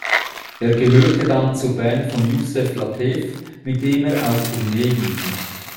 Er gehörte dann zur Band von Yusef Lateef, mit dem er auf Tournee ging.